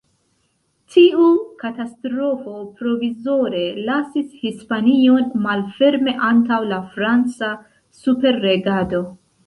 Tiu katastrofo provizore lasis Hispanion malferme antaŭ la franca superregado.